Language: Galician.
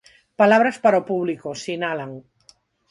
Palabras para o público, sinalan.